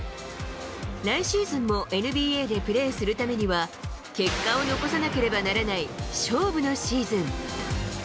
来シーズンもＮＢＡでプレーするためには、結果を残さなければならない勝負のシーズン。